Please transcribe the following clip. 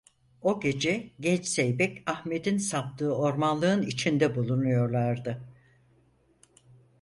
O gece genç zeybek Ahmet’in saptığı ormanlığın içinde bulunuyorlardı.